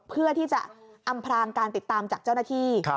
เพื่อที่จะอำพรางการติดตามจากเจ้าหน้าที่